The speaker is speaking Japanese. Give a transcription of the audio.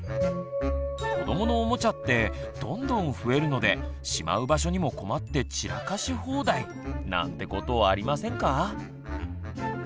子どものおもちゃってどんどん増えるのでしまう場所にも困って散らかし放題。なんてことありませんか？